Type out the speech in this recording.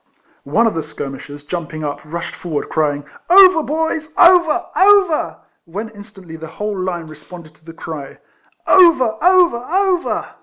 One of the skirmishers, jumping RIFLEMAN HARRIS. 37 UJ3, rushed forward, crying, "Over, boys! — over! over!" when instantly the whole Hne responded to the cry, " Over ! over ! over